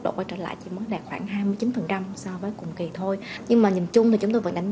độ quay trở lại chỉ mới đạt khoảng hai mươi chín so với cùng kỳ thôi nhưng mà nhìn chung thì chúng tôi vẫn đánh